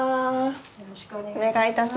よろしくお願いします。